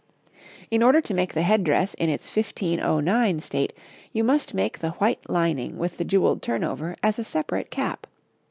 In order to make the head dress in its 1509 state you must make the white lining with the jewelled turnover as a separate cap.